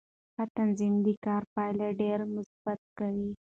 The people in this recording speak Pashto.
ښه تنظیم د کار پایلې ډېرې مثبتې کوي